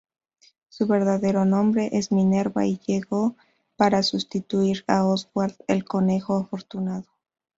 Su verdadero nombre es Minerva y llegó para sustituir a Oswald el Conejo Afortunado.